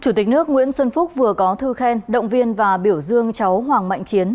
chủ tịch nước nguyễn xuân phúc vừa có thư khen động viên và biểu dương cháu hoàng mạnh chiến